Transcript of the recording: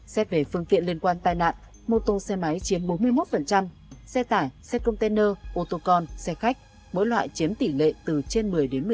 xét về phương tiện liên quan tai nạn mô tô xe máy chiếm bốn mươi một xe tải xe container ô tô con xe khách mỗi loại chiếm tỷ lệ từ trên một mươi đến một mươi năm